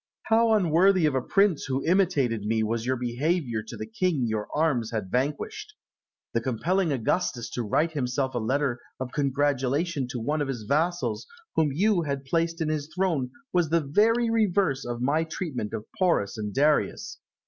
How unworthy of a prince who imitated me was your behaviour to the king your arms had vanquished! The compelling Augustus to write himself a letter of congratulation to one of his vassals whom you had placed in his throne, was the very reverse of my treatment of Porus and Darius.